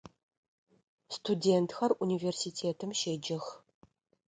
Студентхэр университетым щеджэх.